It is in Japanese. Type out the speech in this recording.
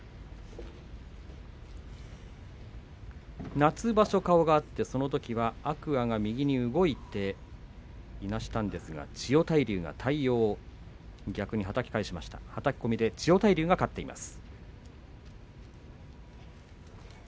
夏場所、顔が合ってそのときは天空海が右に動いていなしたんですが千代大龍がはたき返して、はたき込みで千代大龍が勝ちました。